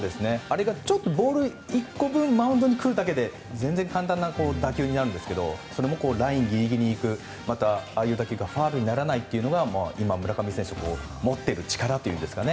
あれがボール１個分マウンドに来るだけで簡単な打球になるんですがそれもラインギリギリに行くまた、ああいう打球がファウルにならないというのは今、村上選手が持っている力といいますか。